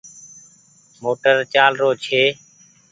موٽر چآل رو ڇي۔